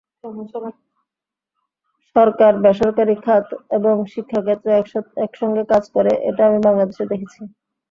সরকার, বেসরকারি খাত এবং শিক্ষাক্ষেত্র একসঙ্গে কাজ করে, এটা আমি বাংলাদেশে দেখেছি।